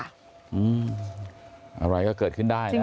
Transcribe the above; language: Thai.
อะไรก็เกิดขึ้นได้นะ